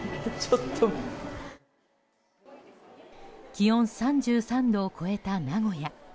気温３３度を超えた名古屋。